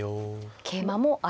桂馬もあると。